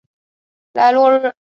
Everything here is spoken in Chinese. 莱洛日。